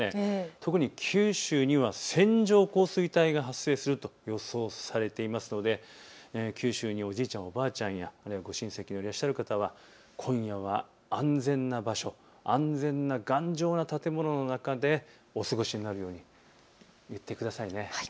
特に九州には線状降水帯が発生すると予想されているので九州におじいちゃん、おばあちゃんやご親戚がいらっしゃる方は今夜は安全な場所、安全な頑丈な建物の中でお過ごしになるように言ってくださいね。